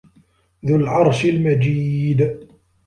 ذُو العَرشِ المَجيدُ